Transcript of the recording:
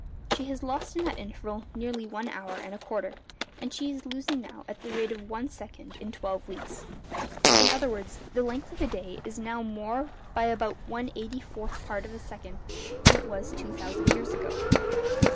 She has lost in that interval nearly one hour and a quarter, and she is losing now at the rate of one second in twelve weeks. In other words, the length of a day is now more by about one eighty fourth part of a second than it was two thousand years ago.